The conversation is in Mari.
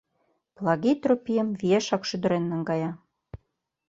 Плагий Тропийым виешак шӱдырен наҥгая.